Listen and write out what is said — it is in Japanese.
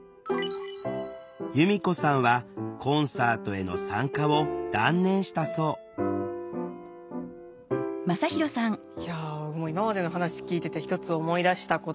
弓子さんはコンサートへの参加を断念したそういや今までの話聞いてて一つ思い出したことがあって。